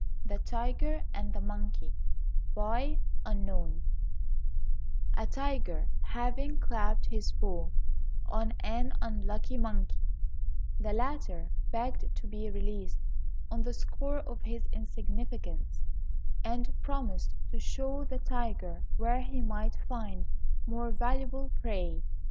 THE TIGER AND THE MONKEY A TIGER having clapped his paw on an unlucky mon key, the latter begged to be released on the score of his insignificance, and promised to show the tiger where he might find more valuable prey.